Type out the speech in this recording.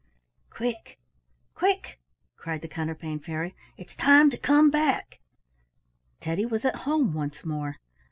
"Quick! quick!" cried the Counterpane Fairy. "It's time to come back." Teddy was at home once more.